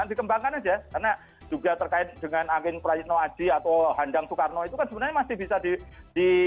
dikembangkan aja karena juga terkait dengan angin prayitno aji atau handang soekarno itu kan sebenarnya masih bisa di